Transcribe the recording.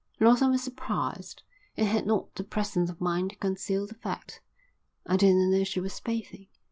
Lawson was surprised, and had not the presence of mind to conceal the fact. "I didn't know she was bathing."